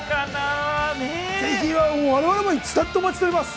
ぜひ我々もいつだってお待ちしております！